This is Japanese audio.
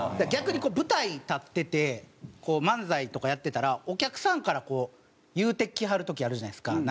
逆にこう舞台立っててこう漫才とかやってたらお客さんから言うてきはる時あるじゃないですか。